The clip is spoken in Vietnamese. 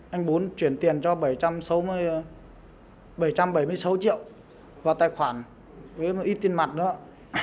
anh bốn chuyển tiền cho bảy trăm bảy mươi sáu triệu vào tài khoản với ít tiền mặt nữa